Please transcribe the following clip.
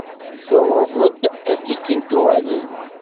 Tuɣeḍ-d atiki n tuɣalin?